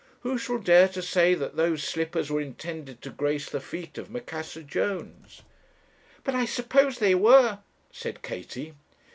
Who shall dare to say that those slippers were intended to grace the feet of Macassar Jones?" 'But I suppose they were,' said Katie.